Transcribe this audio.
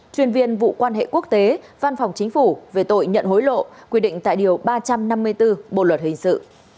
chuyên viên vụ quan hệ quốc tế văn phòng chính phủ về tội nhận hối lộ quy định tại điều ba trăm năm mươi bốn bộ luật hình sự